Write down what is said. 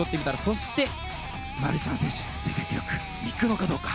そして、マルシャン選手世界記録、行くのかどうか。